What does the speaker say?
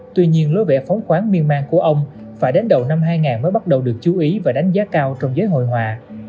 tuy nhiên lối vẽ phóng khoáng myanmar của ông phải đến đầu năm hai nghìn mới bắt đầu được chú ý và đánh giá cao trong giới hội hòa